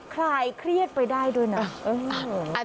คลายเครียดไปได้ด้วยนะ